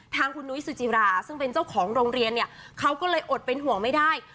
ทางคุณนุ้ยสุจิราซึ่งเป็นเจ้าของโรงเรียนเนี่ยเขาก็เลยอดเป็นห่วงไม่ได้